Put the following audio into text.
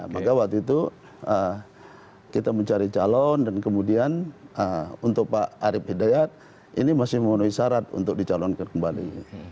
maka waktu itu kita mencari calon dan kemudian untuk pak arief hidayat ini masih memenuhi syarat untuk dicalonkan kembali